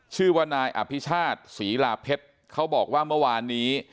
ชื่อว่านายอภิชาติศรีลาเพชรเขาบอกว่าเมื่อวานนี้